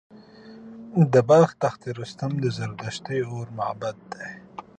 د بلخ تخت رستم د زردشتي اور معبد دی